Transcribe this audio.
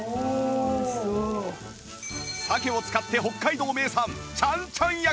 鮭を使って北海道名産